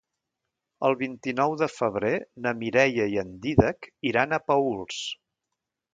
El vint-i-nou de febrer na Mireia i en Dídac iran a Paüls.